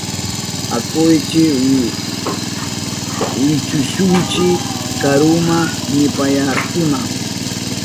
Akuychi wichushunchi karuma, nipayarkakuna.